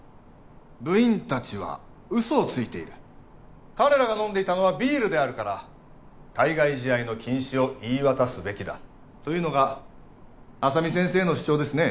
部員達は嘘をついている彼らが飲んでいたのはビールであるから対外試合の禁止を言い渡すべきだというのが浅見先生の主張ですね